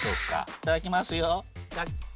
いただきますよ。